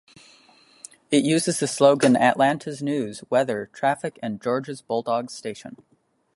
It uses the slogan Atlanta's news, weather, traffic, and Georgia Bulldogs station.